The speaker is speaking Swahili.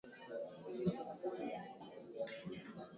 Unaweza ukaondoka, ukaenda kupenda pengine